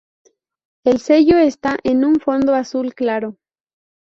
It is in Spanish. El sello está en un fondo azul claro.